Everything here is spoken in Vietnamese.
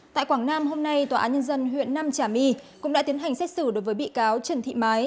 tại quảng nam hôm nay tòa án nhân dân huyện nam trà my cũng đã tiến hành xét xử đối với bị cáo trần thị mái